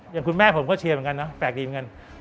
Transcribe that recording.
อย่างคุณแม่ผมก็เชียร์เหมือนกันนะแปลกดีเหมือนกัน